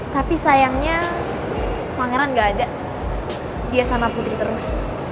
tapi sayangnya pangeran gak ada dia sama putri terus